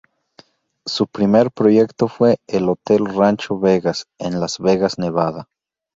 Su primer proyecto fue el hotel Rancho Vegas en Las Vegas Nevada.